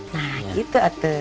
nah gitu atu